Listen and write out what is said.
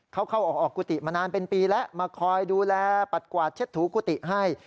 เขาเข้าออกกุฏิมานานเป็นปีแล้วมาคอยดูแลปัดกวาดเช็ดถูกุฏิให้